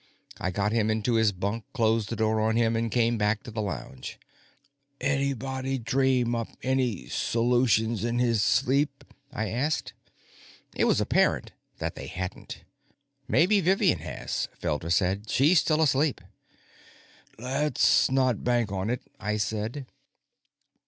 I got him into his bunk, closed the door on him, and came back to the lounge. "Anybody dream up any solutions in his sleep?" I asked. It was apparent that they hadn't. "Maybe Vivian has," Felder said. "She's still asleep." "Let's not bank on it," I said.